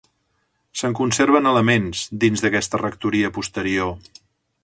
Se'n conserven elements, dins d'aquesta rectoria posterior.